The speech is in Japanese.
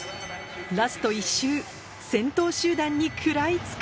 ラスト１周先頭集団に食らいつく